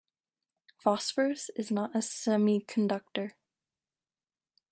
Phosphorus is not a semiconductor.